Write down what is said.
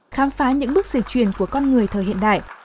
khám phá những bước dịch truyền của con người thời hiện đại